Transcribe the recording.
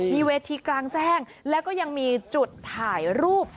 มีเวทีกลางแจ้งแล้วก็ยังมีจุดถ่ายรูป